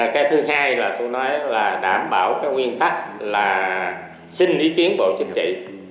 cái thứ hai là tôi nói là đảm bảo cái nguyên tắc là xin ý kiến bộ chính trị